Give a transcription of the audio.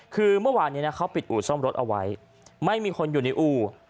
คือเมื่อวานนี้นะเขาปิดอู่ซ่อมรถเอาไว้ไม่มีคนอยู่ในอู่